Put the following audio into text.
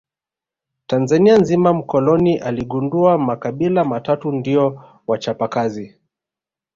Tanzania nzima mkoloni aligundua makabila matatu ndio wachapa kazi